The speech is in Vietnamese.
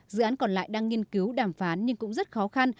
dự án còn lại đang nghiên cứu đàm phán nhưng cũng rất khó khăn